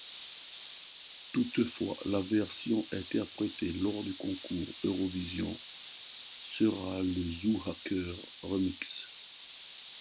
Toutefois, la version interprétée lors du Concours Eurovision sera le Zoohacker Remix.